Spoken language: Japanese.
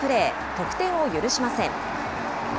得点を許しません。